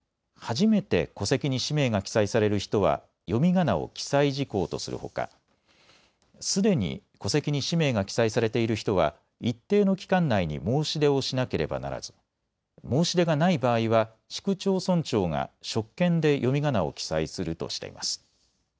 また、初めて戸籍に氏名が記載される人は読みがなを記載事項とするほかすでに戸籍に氏名が記載されている人は一定の期間内に申し出をしなければならず申し出がない場合は市区町村長が職権で読みがなを記載するとしています。